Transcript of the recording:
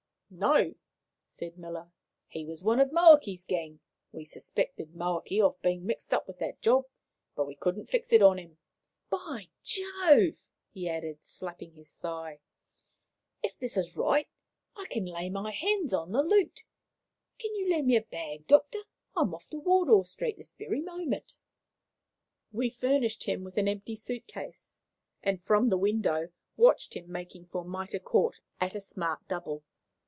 "No," said Miller. "He was one of Moakey's gang. We suspected Moakey of being mixed up with that job, but we couldn't fix it on him. By Jove!" he added, slapping his thigh, "if this is right, and I can lay my hands on the loot! Can you lend me a bag, doctor? I'm off to Wardour Street this very moment." We furnished him with an empty suit case, and, from the window, watched him making for Mitre Court at a smart double.